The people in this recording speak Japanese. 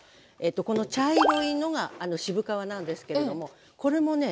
この茶色いのが渋皮なんですけれどもこれもね